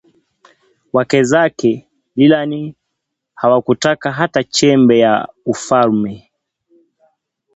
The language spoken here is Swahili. Wake zake Lilan hawakutaka hata chembe ya ufalme